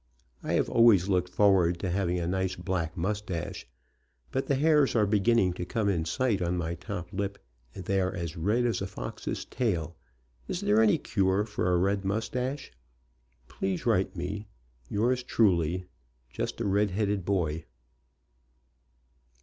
I have always looked forward to having a nice black mustache, but the hairs are beginning Lo come in sight on my top lip and they are as red as a fox's tail. Is there any cure for a red mustache? Please write me. Yours truly, "Just a Red Headed Boy."